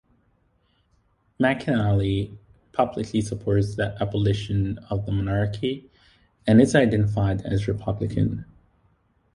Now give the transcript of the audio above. MacKinlay publicly supports the abolition of the monarchy and is identified as a republican.